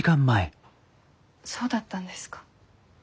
そうだったんですか。